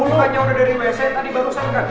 mumpanya udah dari wc tadi barusan kan